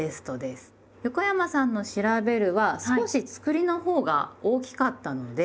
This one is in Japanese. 横山さんの「『調』べる」は少しつくりのほうが大きかったので。